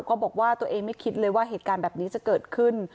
ก็บอกว่าตัวเองไม่คิดเลยว่าเหตุการณ์แบบนี้จะเกิดขึ้น